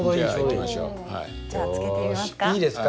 じゃあつけてみますか？